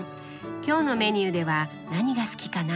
今日のメニューでは何が好きかな？